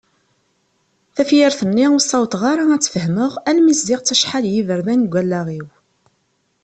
Tafyirt-nni ur ssawaḍeɣ ara ad tt-fehmeɣ alma zziɣ-tt acḥal n yiberdan deg wallaɣ-iw.